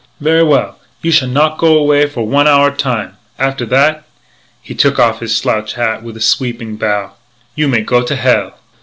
"Ver' well. You shall not go away for one hour time. After that " he took off his slouch hat with a sweeping bow "you may go to hell!"